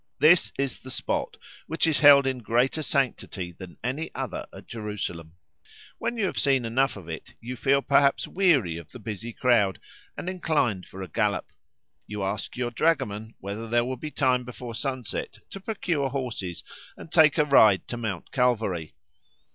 This is the spot which is held in greater sanctity than any other at Jerusalem. When you have seen enough of it you feel perhaps weary of the busy crowd, and inclined for a gallop; you ask your dragoman whether there will be time before sunset to procure horses and take a ride to Mount Calvary.